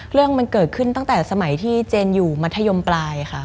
เรื่องมันเกิดขึ้นตั้งแต่สมัยที่เจนอยู่มัธยมปลายค่ะ